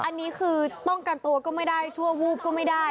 อันนี้คือป้องกันตัวก็ไม่ได้ชั่ววูบก็ไม่ได้